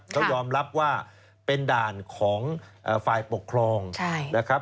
เขายอมรับว่าเป็นด่านของฝ่ายปกครองนะครับ